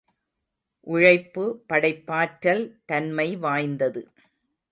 உழைப்பு படைப்பாற்றல் தன்மை வாய்ந்தது.